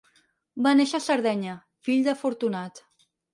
Va néixer a Sardenya, fill de Fortunat.